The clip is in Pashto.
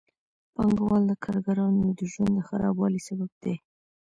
پانګوال د کارګرانو د ژوند د خرابوالي سبب دي